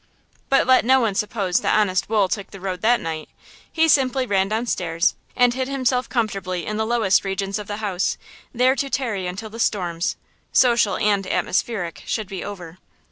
But let no one suppose that honest Wool took the road that night! He simply ran down stairs and hid himself comfortably in the lowest regions of the house, there to tarry until the storms, social and atmospheric, should be over.